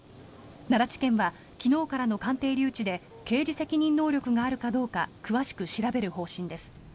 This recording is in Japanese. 奈良地検は昨日からの鑑定留置で刑事責任能力があるかどうか詳しく調べる方針です。